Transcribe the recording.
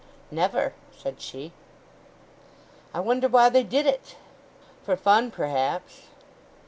"Never," said she. "I wonder why they did it!" "For fun, perhaps."